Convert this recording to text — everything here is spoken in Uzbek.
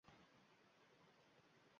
Voqea Olmazor tumanida yuz bergan